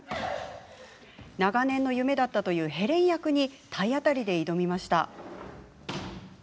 長年の夢だったというヘレン役に体当たりで挑みました。